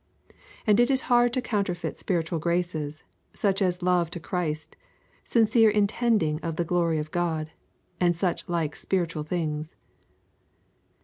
And it is hard to counterfeit spiritual graces, such as love to Christ, sincere intending of the glory of God, and such like spiritual things.'